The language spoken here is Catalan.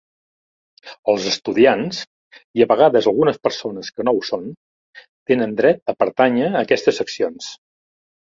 Els estudiants, i a vegades algunes persones que no ho són, tenen dret a pertànyer a aquestes seccions.